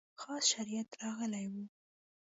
خاص شریعت راغلی و.